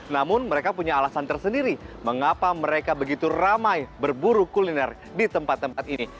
namun mereka punya alasan tersendiri mengapa mereka begitu ramai berburu kuliner di tempat tempat ini